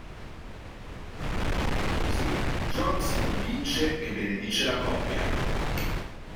Così, John si convince e benedice la coppia.